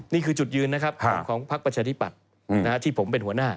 นี่คือจุดยืนนะครับของพักประชาธิปัตย์ที่ผมเป็นหัวหน้า